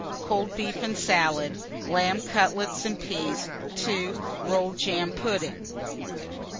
Cold beef and salad, lamb cutlets and peas. 2. Rolled jam pudding.